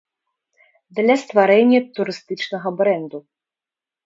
Для стварэння турыстычнага брэнду.